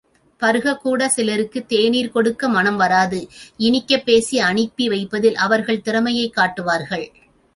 பருகக்கூடச் சிலர்க்குத் தேநீர் கொடுக்க மனம் வாராது இனிக்கப் பேசி அனுப்பி வைப்பதில் அவர்கள் திறமையைக் காட்டுவார்கள்.